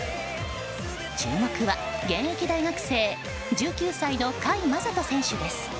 注目は現役大学生１９歳の甲斐優斗選手です。